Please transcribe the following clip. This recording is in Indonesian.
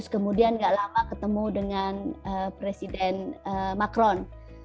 kemudian gak lama ketemu dengan presiden macron